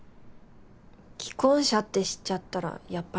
既婚者って知っちゃったらやっぱり。